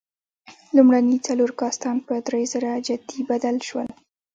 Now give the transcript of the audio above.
لومړني څلور کاستان په درېزره جتي بدل شول.